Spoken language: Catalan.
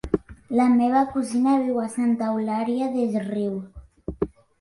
La meva cosina viu a Santa Eulària des Riu.